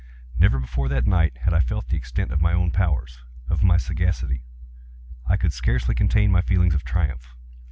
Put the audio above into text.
Never before that night had I felt the extent of my own powers—of my sagacity. I could scarcely contain my feelings of triumph.